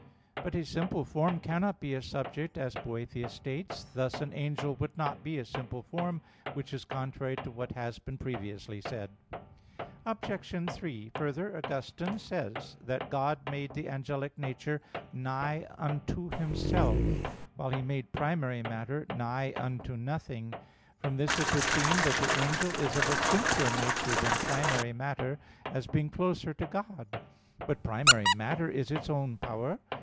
But "a simple form cannot be a subject," as Boethius states (De Trin. 1). Thus an angel would not be a simple form, which is contrary to what has been previously said (Q. 50, A. 2). Obj. 3: Further, Augustine (Confess. xii) says, that God made the angelic nature "nigh unto Himself," while He made primary matter "nigh unto nothing"; from this it would seem that the angel is of a simpler nature than primary matter, as being closer to God. But primary matter is its own power.